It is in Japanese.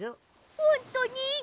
ほんとに？